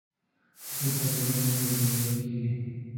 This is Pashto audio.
که ته پاملرنه وکړې بریالی کېږې.